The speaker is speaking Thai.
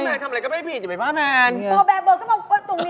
ก็ไม่ทำอะไรเกินไปผิดอย่าไปมาแมง